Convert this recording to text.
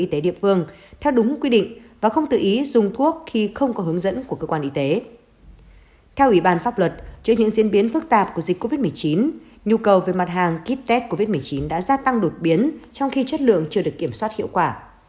trong sự phức tạp của dịch covid một mươi chín nhu cầu về mặt hàng kit test covid một mươi chín đã gia tăng đột biến trong khi chất lượng chưa được kiểm soát hiệu quả